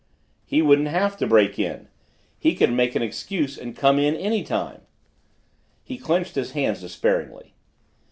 "He wouldn't have to break in. He could make an excuse and come in any time." He clenched his hands despairingly.